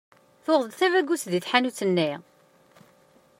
Tuɣeḍ-d tabagust deg tḥanut-nni?